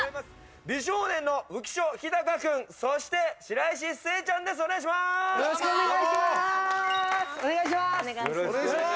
美少年の浮所飛貴君、そして白石聖ちゃんです。